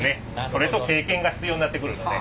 それと経験が必要になってくるので。